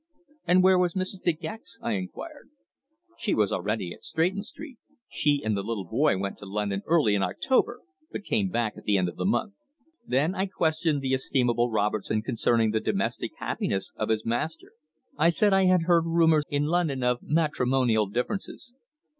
"And where was Mrs. De Gex?" I inquired. "She was already at Stretton Street. She and the little boy went to London early in October, but came back at the end of the month." Then I questioned the estimable Robertson concerning the domestic happiness of his master. I said I had heard rumours in London of matrimonial differences.